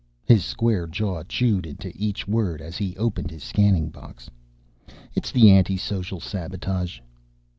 His square jaw chewed into each word as he opened his scanning box. "It's the anti social sabotage."